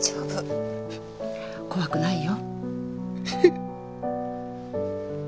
怖くないよ。